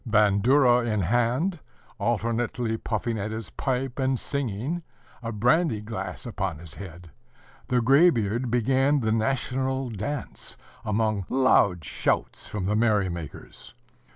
Bandura in hand, alternately puffing at his pipe and singing, a brandy glass upon his head, the gray beard began the national dance amid loud shouts from the merry makers.